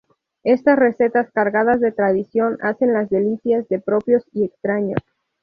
Estas recetas cargadas de tradición hacen las delicias de propios y extraños.